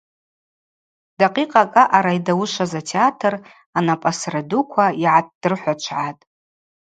Дакъикъакӏ аъара йдауышваз атеатр анапӏасра дуква йгӏатдрыхӏвачвгӏатӏ.